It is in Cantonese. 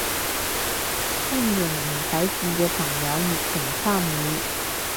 歡迎唔睇字嘅朋友熱情參與